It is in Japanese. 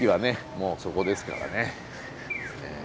もうそこですからね。